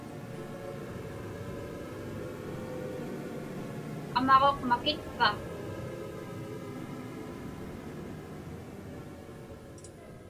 Amaġuq makitpa?